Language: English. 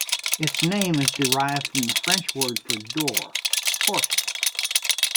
Its name is derived from the French word for door, "porte".